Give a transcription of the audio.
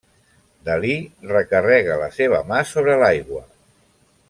Dalí recarrega la seva mà sobre l'aigua.